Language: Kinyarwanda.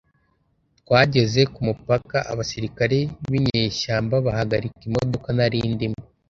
twageze ku mupaka abasirikare b’inyeshyamba bahagarika imodoka nari ndimo